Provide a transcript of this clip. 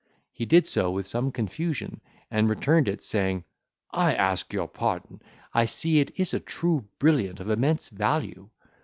He did so with some confusion, and returned it, saying, "I ask your pardon; I see it is a true brilliant of immense value."